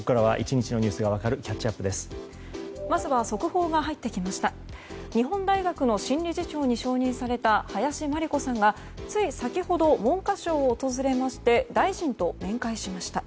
日本大学の新理事長に承認された林真理子さんがつい先ほど文科省を訪れまして大臣と面会しました。